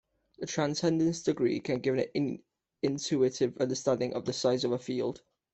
The transcendence degree can give an intuitive understanding of the size of a field.